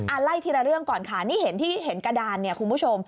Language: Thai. ไล่ทีละเรื่องก่อนค่ะนี่เห็นที่เห็นกระดานเนี่ยคุณผู้ชม